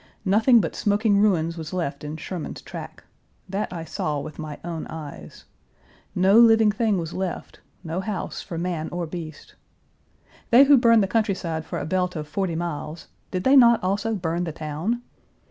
Nothing but smoking ruins was left in Sherman's track. That I saw with my own eyes. No living thing was left, no house for man or beast. They who burned the countryside for a belt of forty miles, did they not also burn the town?